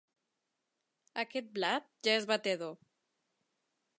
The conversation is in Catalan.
Aquest blat ja és batedor.